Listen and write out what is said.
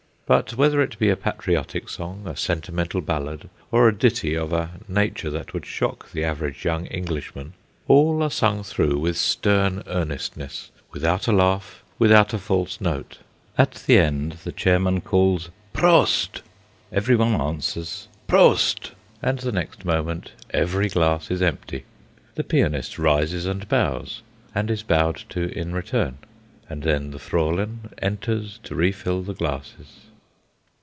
But whether it be a patriotic song, a sentimental ballad, or a ditty of a nature that would shock the average young Englishman, all are sung through with stern earnestness, without a laugh, without a false note. At the end, the chairman calls "Prosit!" Everyone answers "Prosit!" and the next moment every glass is empty. The pianist rises and bows, and is bowed to in return; and then the Fraulein enters to refill the glasses.